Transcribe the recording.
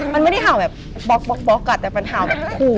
มันไม่เห่าแบบบ๊อกก่อนแต่มันเห่าแบบคู่